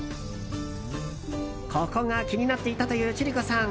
ここが気になっていたという千里子さん。